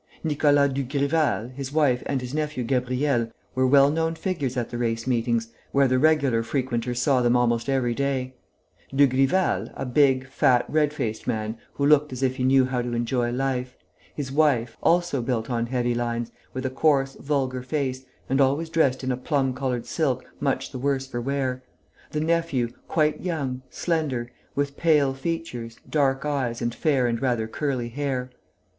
Nicolas Dugrival, his wife and his nephew Gabriel were well known figures at the race meetings, where the regular frequenters saw them almost every day: Dugrival, a big, fat, red faced man, who looked as if he knew how to enjoy life; his wife, also built on heavy lines, with a coarse, vulgar face, and always dressed in a plum coloured silk much the worse for wear; the nephew, quite young, slender, with pale features, dark eyes and fair and rather curly hair.